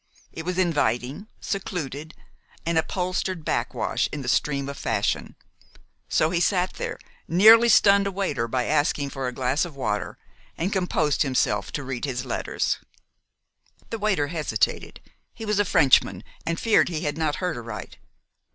It was inviting, secluded, an upholstered backwash in the stream of fashion; so he sat there, nearly stunned a waiter by asking for a glass of water, and composed himself to read his letters. The waiter hesitated. He was a Frenchman, and feared he had not heard aright.